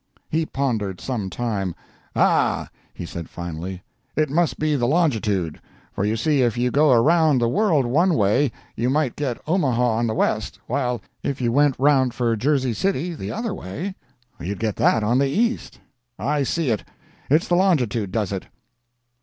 "He pondered some time. 'Ah!' he said finally, 'it must be the longitude, for you see if you go around the world one way you might get Omaha on the west; while if you went round for Jersey City the other way, you'd get that on the east. I see it; it's the longitude does it.'